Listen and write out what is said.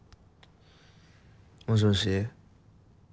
もしもし。